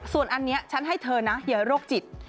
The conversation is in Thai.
ส่วนอันนี้ฉันให้เธอนะเหยื่อโรคจิต